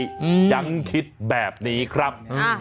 ยังคิดแบบนี้ครับ